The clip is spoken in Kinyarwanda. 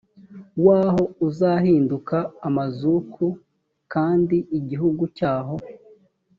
waho uzahinduka amazuku kandi igihugu cyaho